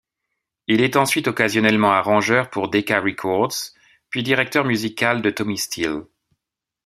Il est ensuite occasionnellement arrangeur pour Decca Records puis directeur musical de Tommy Steele.